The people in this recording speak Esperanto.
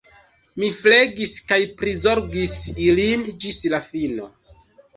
Mi flegis kaj prizorgis ilin ĝis la fino.